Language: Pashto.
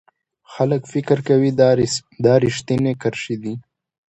خلک فکر کوي دا ریښتینې کرښې دي.